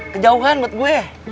kejauhan buat gue